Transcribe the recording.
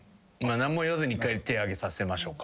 何も言わずに一回手挙げさせましょうか。